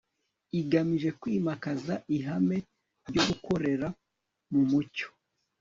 igamije kwimakaza ihame ryo gukorera mu mucyo